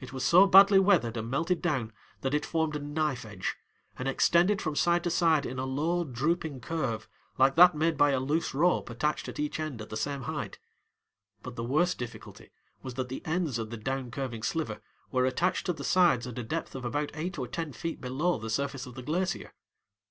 It was so badly weathered and melted down that it formed a knife edge, and extended across from side to side in a low, drooping curve like that made by a loose rope attached at each end at the same height. But the worst difficulty was that the ends of the down curving sliver were attached to the sides at a depth of about eight or ten feet below the surface of the glacier.